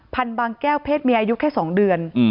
บางแก้วเพศเมียอายุแค่๒เดือน